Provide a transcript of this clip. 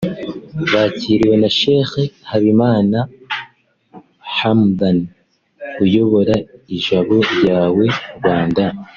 bakiriwe na Sheikh Habimana Hamdan uyobora Ijabo Ryawe Rwanda